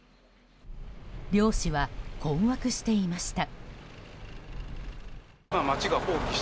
漁師は困惑していました。